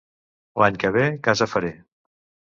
L'any que ve, casa faré.